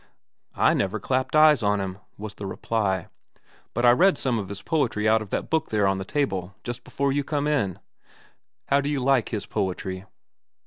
"I never clapped eyes on him," was the reply. "But I read some of his poetry out of that book there on the table just before you come in. How do you like his poetry?"